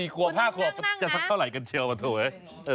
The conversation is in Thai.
ขวบ๕ขวบจะสักเท่าไหร่กันเชียวกันโถเว้ย